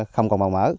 không còn vào mở